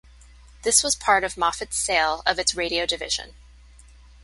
This was part of Moffat's sale of its radio division.